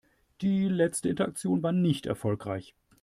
Die letzte Interaktion war nicht erfolgreich.